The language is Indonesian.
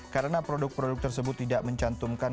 karena produk produk tersebut tidak mencantumkan